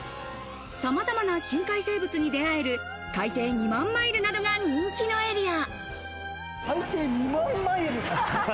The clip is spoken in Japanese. さまざまな深海生物に出会える『海底２万マイル』などが人気のエリア。